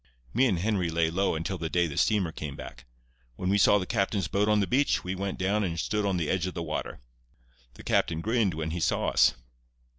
"Me and Henry laid low until the day the steamer came back. When we saw the captain's boat on the beach we went down and stood in the edge of the water. The captain grinned when he saw us.